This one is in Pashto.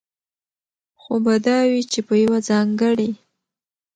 خو به دا وي، چې په يوه ځانګړي